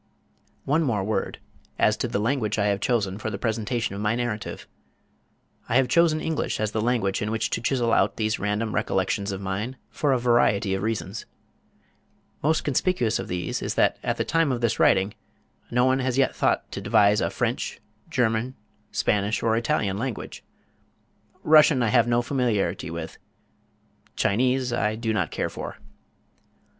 One word more as to the language I have chosen for the presentation of my narrative. I have chosen English as the language in which to chisel out these random recollections of mine for a variety of reasons. Most conspicuous of these is that at the time of this writing no one has as yet thought to devise a French, German, Spanish or Italian language. Russian I have no familiarity with. Chinese I do not care for.